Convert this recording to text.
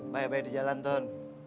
baik baik di jalan ton